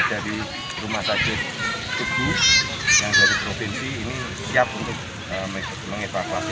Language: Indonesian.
dari rumah sakit tugu yang dari provinsi ini siap untuk mengevakuasi